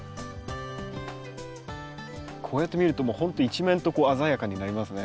こうやって見るともうほんと一面とこう鮮やかになりますね。